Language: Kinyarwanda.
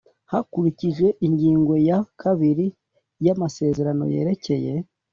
hakurikijwe ingingo ya ii y'amasezerano yerekeye